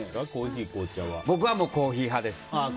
僕はコーヒー派です。